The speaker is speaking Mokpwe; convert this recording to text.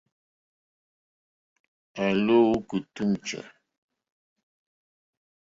Â lɔ́ ú kítūm chè.